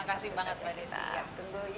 makasih banget mbak desi